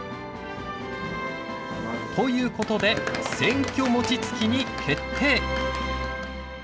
ということで選挙もちつきに決定。